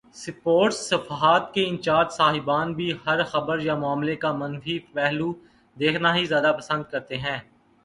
Sports صفحات کے incharge صاحبان بھی ہر خبر یا معاملے کا منفی پہلو دیکھنا ہی زیادہ پسند کرتے ہیں۔